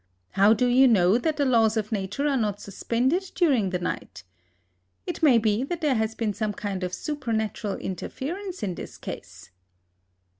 How do you know that the laws of Nature are not suspended during the night? It may be that there has been some kind of supernatural interference in this case."